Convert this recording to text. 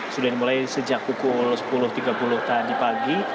sudah dimulai sejak pukul sepuluh tiga puluh tadi pagi